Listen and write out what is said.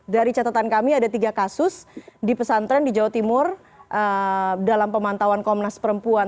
dari catatan kami ada tiga kasus di pesantren di jawa timur dalam pemantauan komnas perempuan